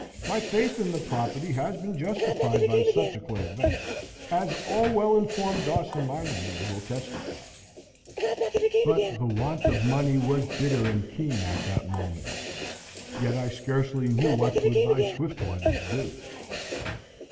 My faith in the property has been justified by subsequent events, as all well informed Dawson mining men will testify. But the want of money was bitter and keen at that moment. Yet I scarcely knew what to advise Swiftwater to do.